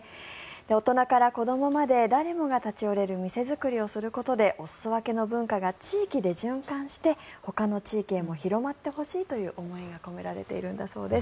大人から子どもまで誰もが立ち寄れる店づくりをすることでお裾分けの文化が地域で循環してほかの地域へも広まってほしいという思いが込められているんだそうです。